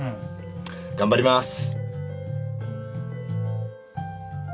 頑張ります。